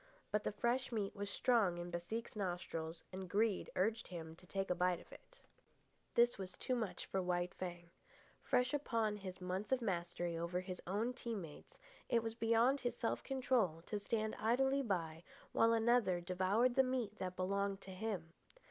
But the fresh meat was strong in Baseek's nostrils, and greed urged him to take a bite of it. This was too much for White Fang. Fresh upon his months of mastery over his own team mates, it was beyond his self control to stand idly by while another devoured the meat that belonged to him.